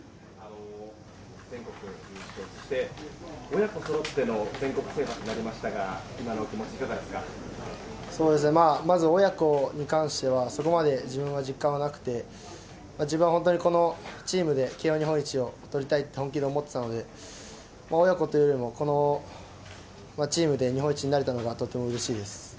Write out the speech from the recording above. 親子そろっての全国制覇となりましたが、まず親子に関しては、そこまで自分は実感はなくて、自分は本当にこのチームで基本、日本一をとりたいというふうに本気で思ってたので、親子というよりも、このチームで日本一になれたのがとってもうれしいです。